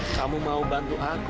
kamu mau bantu aku